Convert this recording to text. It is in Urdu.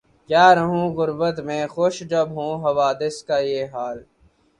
کیا رہوں غربت میں خوش جب ہو حوادث کا یہ حال